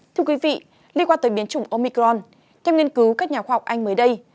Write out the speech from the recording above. thưa quý vị liên quan tới biến chủng omicron theo nghiên cứu các nhà khoa học anh mới đây